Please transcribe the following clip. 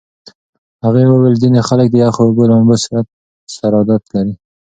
هغې وویل ځینې خلک د یخو اوبو لامبو سره عادت لري.